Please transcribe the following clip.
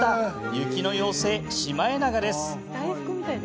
雪の妖精、シマエナガです。